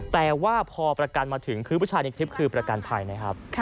แต่ว่าพอประกันมาถึงคือผู้ชายในคลิปคือประกันภัยนะครับ